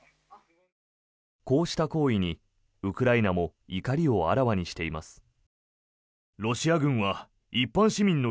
こうした行為にウクライナも怒りをあらわにしています。